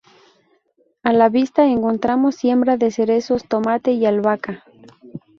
A la vista encontramos siembra de cerezos, tomate y albahaca.